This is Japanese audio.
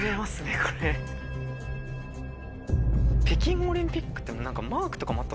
北京オリンピックって。